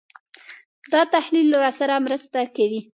دا تحلیل راسره مرسته کوي.